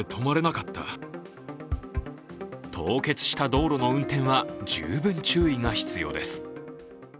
凍結した道路の運転は十分注意が必要です。